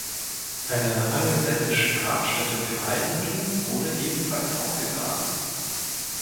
Eine angelsächsische Grabstätte für Heidentum wurde ebenfalls ausgegraben.